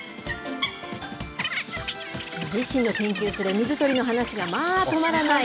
自身の研究する水鳥の話がまあ、止まらない。